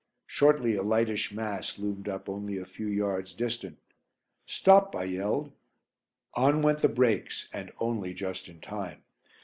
Shortly a lightish mass loomed up only a few yards distant. "Stop!" I yelled. On went the brakes, and only just in time.